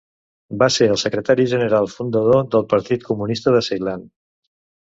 Va ser el secretari general fundador del Partit Comunista de Ceilan.